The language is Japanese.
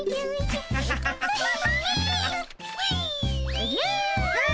おじゃ。わ。